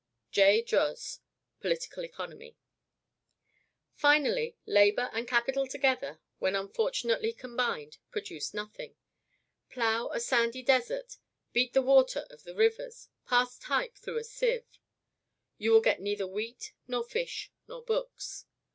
(J. Droz: Political Economy.) Finally, labor and capital together, when unfortunately combined, produce nothing. Plough a sandy desert, beat the water of the rivers, pass type through a sieve, you will get neither wheat, nor fish, nor books.